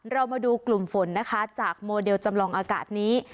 เรามาดูกลุ่มฝนนะคะจากโมเดลจำลองอากาศนี้